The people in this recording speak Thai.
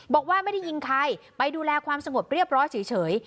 บอกว่าไม่ได้ยิงใครไปดูแลความสงบเรียบร้อยเฉย